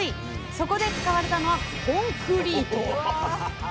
そこで使われたのはコンクリート。